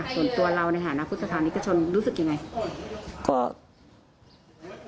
ส่วนตัวเราในฐานะพุทธศานิกชนรู้สึกยังไง